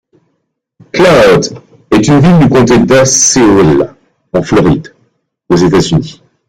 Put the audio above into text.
Cloud est une ville du comté d'Osceola en Floride, aux États-Unis.